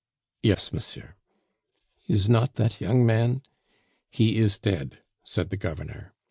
"Yes, monsieur." "Is not that young man " "He is dead," said the governor.